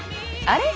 あれ？